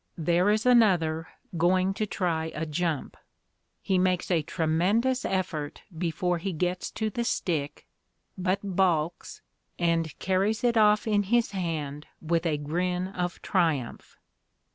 There is another going to try a jump: he makes a tremendous effort before he gets to the stick, but balks, and carries it off in his hand with a grin of triumph.